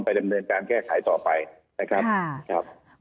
ดำเนินการแก้ไขต่อไปนะครับ